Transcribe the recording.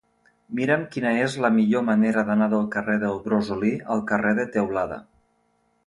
Mira'm quina és la millor manera d'anar del carrer del Brosolí al carrer de Teulada.